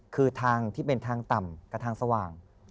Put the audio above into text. คือทางที่เป็นทางต่ำกับทางสว่าง